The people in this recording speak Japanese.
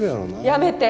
やめて。